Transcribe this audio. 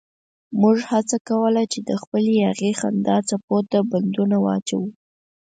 موږ هڅه کوله چې د خپلې یاغي خندا څپو ته بندونه واچوو.